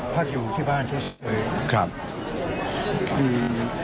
พักอยู่ที่บ้านแช่ครับที